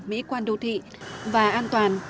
mỹ quan đô thị và an toàn